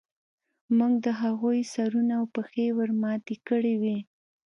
موږ د هغوی سرونه او پښې ورماتې کړې وې